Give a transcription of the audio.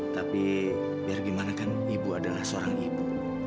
tapi biar bagaimanakan ibu adalah seorang ibu